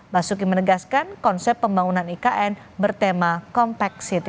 basuki menegaskan konsep pembangunan ikn bertema compact city